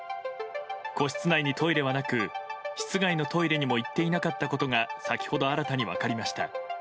個室内にトイレはなく室外のトイレにも行っていなかったことが先ほど新たに分かりました。